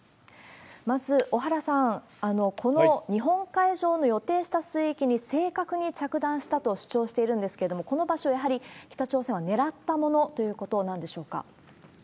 まず、小原さん、この日本海上の予定した水域に正確に着弾したと主張してるんですけれども、この場所、やはり北朝鮮は狙ったものということなんでしょうか？